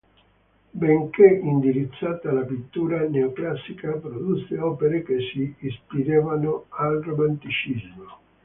Benché indirizzata alla pittura neoclassica, produsse opere che si ispiravano al Romanticismo.